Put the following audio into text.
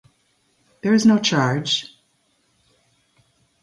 There is no charge.